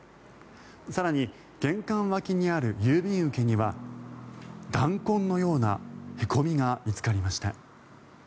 更に、玄関脇にある郵便受けには弾痕のようなへこみが見つかりました。